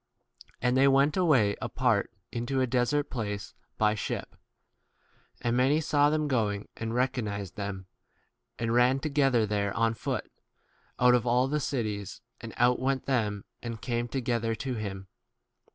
And they went away apart into a desert place by 33 ship. And many saw them going, and recognized them, v and ran to gether there on foot, out of all the cities, and outwent them [and 34 came together to him].